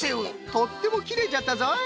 とってもきれいじゃったぞい。